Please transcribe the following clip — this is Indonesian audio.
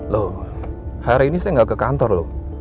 loh hari ini saya nggak ke kantor loh